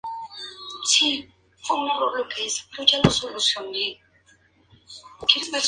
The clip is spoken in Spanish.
No se encontraron indicios de fuego.